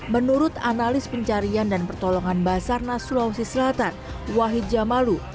menurut analis pencarian dan pertolongan basarnas sulawesi selatan wahid jamalu